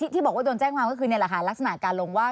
ที่บอกว่าโดนแจ้งวางก็คือในราคารักษณะการลงว่า